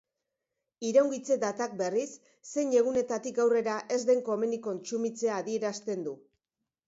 Iraungitze-datak, berriz, zein egunetatik aurrera ez den komeni kontsumitzea adierazten du.